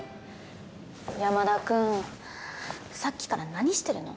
山田君さっきから何してるの？